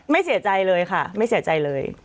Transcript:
เสียใจเลยค่ะไม่เสียใจเลย